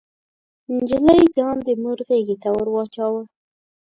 نجلۍ ځان د مور غيږې ته ور واچاوه.